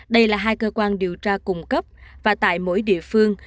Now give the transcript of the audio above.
đây là hai cơ quan điều tra cung cấp và tại mỗi địa phương